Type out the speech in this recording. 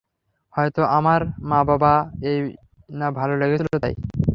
হয়তো আমার মা বাবার এই না ভালো লেগেছিল তাই।